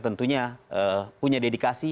tentunya punya dedikasi